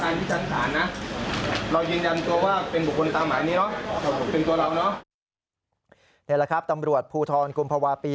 นี่แหละครับตำรวจภูทรกุมภาวะปี